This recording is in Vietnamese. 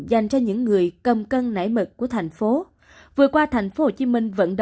dành cho những người cầm cơm